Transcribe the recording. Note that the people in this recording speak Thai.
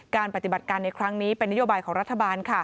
ปฏิบัติการในครั้งนี้เป็นนโยบายของรัฐบาล